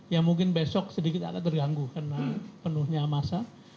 ya mungkin besok sedikit akan terganggu karena penuhnya masa